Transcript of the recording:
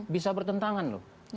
bisa bertentangan loh